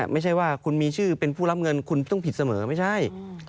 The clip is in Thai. ไม่ใช่ว่าคุณมีชื่อเป็นผู้รับเงินคุณต้องผิดเสมอไม่ใช่